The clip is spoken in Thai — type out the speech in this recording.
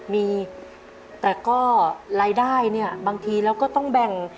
มีแต่ก็รายได้เนี่ยบางทีเราก็ต้องแบ่ง